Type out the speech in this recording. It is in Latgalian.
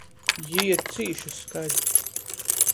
Jī ir cīši skali.